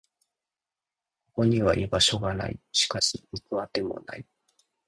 ここには居場所がない。しかし、行く当てもない。